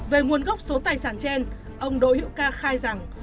về nguồn gốc số tài sản trên ông đỗ hữu ca khai rằng